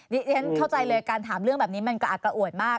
ฉันเข้าใจเลยการถามเรื่องแบบนี้มันกระอักกระอวดมาก